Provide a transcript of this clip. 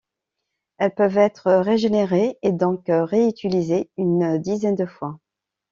Elles peuvent être régénérées, et donc réutilisées, une dizaine de fois.